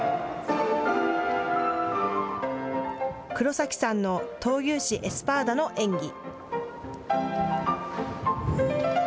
黒崎さんの闘牛士、エスパーダの演技。